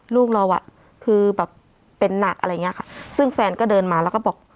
ลูกเราอ่ะคือแบบเป็นหนักอะไรอย่างเงี้ยค่ะซึ่งแฟนก็เดินมาแล้วก็บอก